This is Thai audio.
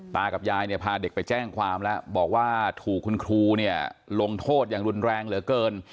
กับยายเนี่ยพาเด็กไปแจ้งความแล้วบอกว่าถูกคุณครูเนี่ยลงโทษอย่างรุนแรงเหลือเกิน